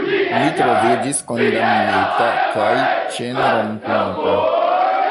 Mi troviĝis kondamnita kaj ĉenrompinta.